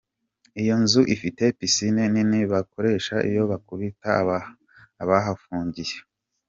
Iyo nzu ifite piscine nini bakoresha iyo bakubita abahafungiye.